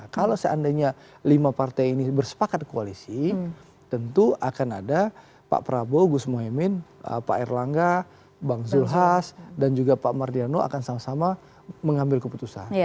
kalau seandainya lima partai ini bersepakat koalisi tentu akan ada pak prabowo gus muhaymin pak erlangga bang zulhas dan juga pak mardiano akan sama sama mengambil keputusan